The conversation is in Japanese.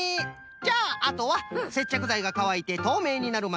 じゃああとはせっちゃくざいがかわいてとうめいになるまでまつ！